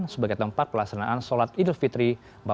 sebagai tempat pelaksanaan sholat idul fitri